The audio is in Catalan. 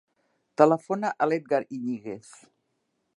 Telefona a l'Edgar Iñiguez.